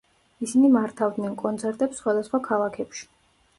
ისინი მართავდნენ კონცერტებს სხვადასხვა ქალაქებში.